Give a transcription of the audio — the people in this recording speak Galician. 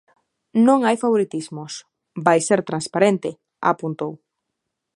Non hai favoritismos, vai ser transparente, apuntou.